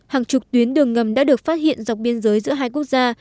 hàng chục tuyến đường ngầm đã được phát hiện dọc biên giới giữa hai quốc gia